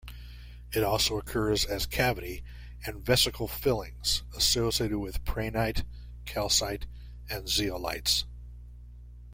It also occurs as cavity and vesicle fillings associated with prehnite, calcite, and zeolites.